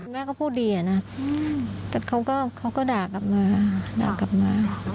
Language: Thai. แม่เขาพูดดีนะแต่เขาก็ด่ากลับมา